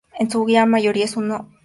En su gran mayoría, es un oficinas.